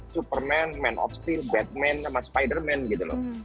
superman man of steel batman sama spiderman gitu loh